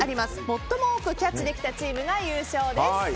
最も多くキャッチできたチームが優勝です。